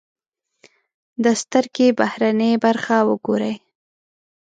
د سترکې بهرنۍ برخه و ګورئ.